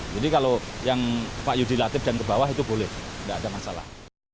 jadi kalau yang pak yudi latif dan kebawah itu boleh tidak ada masalah